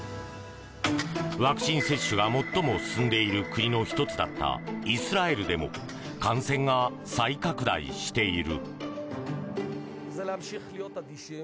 ワクチン接種が最も進んでいる国の１つだったイスラエルでも感染が再拡大している。